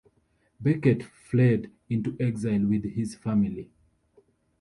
Becket fled into exile with his family.